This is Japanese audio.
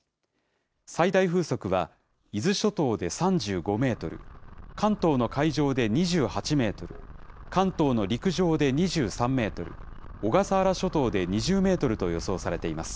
最大風速は伊豆諸島で３５メートル、関東の海上で２８メートル、関東の陸上で２３メートル、小笠原諸島で２０メートルと予想されています。